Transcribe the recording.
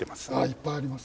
いっぱいあります。